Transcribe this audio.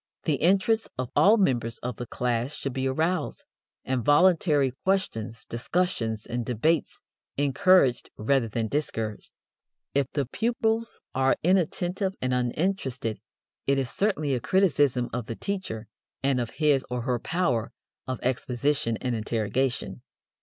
The interest of all members of the class should be aroused, and voluntary questions, discussions and debates encouraged rather than discouraged. If the pupils are inattentive and uninterested, it is certainly a criticism of the teacher and of his or her power of exposition and interrogation.